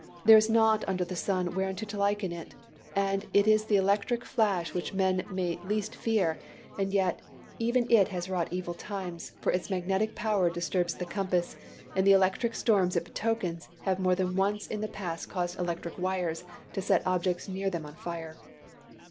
There is naught under the sun whereunto to liken it, and it is the electric flash which men may least fear; and yet, even it has wrought evil at times; for its magnetic power disturbs the compass; and the electric storms it betokens have more than once in the past caused electric wires to set objects near them on fire.